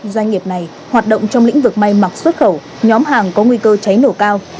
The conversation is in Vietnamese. doanh nghiệp này hoạt động trong lĩnh vực may mặc xuất khẩu nhóm hàng có nguy cơ cháy nổ cao